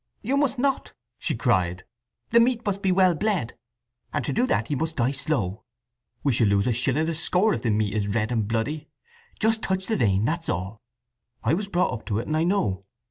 "You must not!" she cried. "The meat must be well bled, and to do that he must die slow. We shall lose a shilling a score if the meat is red and bloody! Just touch the vein, that's all. I was brought up to it, and I know.